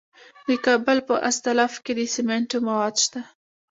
د کابل په استالف کې د سمنټو مواد شته.